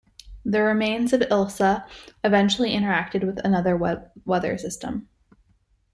The remains of Ilsa eventually interacted with another weather system.